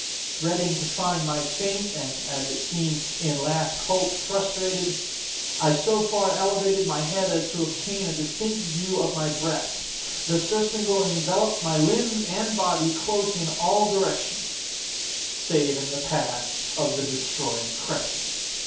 Dreading to find my faint, and, as it seemed, my last hope frustrated, I so far elevated my head as to obtain a distinct view of my breast. The surcingle enveloped my limbs and body close in all directions—save in the path of the destroying crescent.